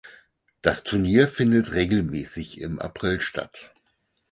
Das Turnier findet regelmäßig im April statt.